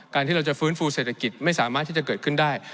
ที่เราจะฟื้นฟูเศรษฐกิจไม่สามารถที่จะเกิดขึ้นได้